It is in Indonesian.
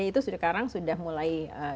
itu sekarang sudah mulai